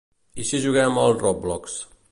I si juguem al "Roblox"?